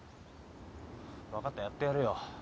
分かったやってやるよ。